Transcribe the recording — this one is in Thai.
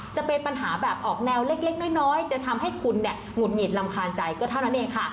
จะเป็นปัญหาแบบออกแนวเล็กน้อยจะทำให้คุณเนี่ยหงุดหงิดรำคาญใจก็เท่านั้นเองค่ะ